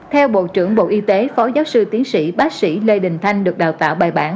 theo bộ trưởng bộ y tế phó giáo sư tiến sĩ bác sĩ lê đình thanh được đào tạo bài bản